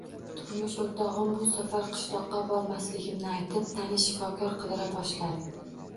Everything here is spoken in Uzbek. Turmush o`rtog`im, bu safar qishloqqa bormasligimni aytib, tanish shifokor qidira boshladi